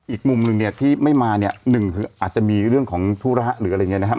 อีกมุมหนึ่งเนี่ยที่ไม่มาเนี่ยหนึ่งคืออาจจะมีเรื่องของธุระหรืออะไรอย่างนี้นะครับ